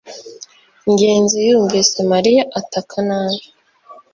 ngenzi yumvise mariya ataka nabi